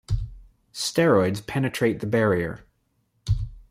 Steroids penetrate the barrier.